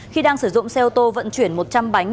khi đang sử dụng xe ô tô vận chuyển một trăm linh bánh